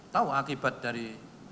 tahu akibat dari